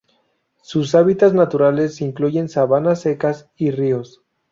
Sus hábitats naturales incluyen sabanas secas y ríos.